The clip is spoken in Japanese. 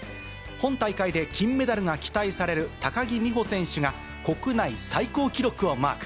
本大会で金メダルが期待される高木美帆選手が、国内最高記録をマーク。